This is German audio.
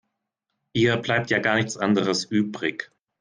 Ihr bleibt ja gar nichts anderes übrig.